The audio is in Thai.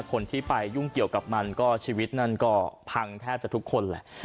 คนที่ไปยุ่งเกี่ยวกับมันก็ชีวิตนั่นก็พังแทบจะทุกคนแหละ